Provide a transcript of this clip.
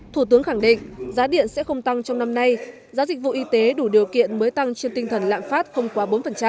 thủ tướng khẳng định giá điện sẽ không tăng trong năm nay giá dịch vụ y tế đủ điều kiện mới tăng trên tinh thần lạm phát không quá bốn